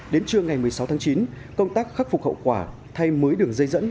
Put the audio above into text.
đến trưa ngày một mươi sáu tháng chín công tác khắc phục hậu quả thay mới đường dây dẫn